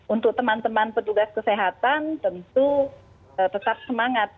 untuk teman teman petugas kesehatan tentu tetap semangat